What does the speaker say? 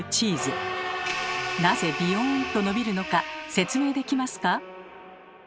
なぜビヨンと伸びるのか説明できますか？